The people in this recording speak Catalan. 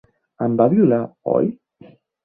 Em va violar, oi?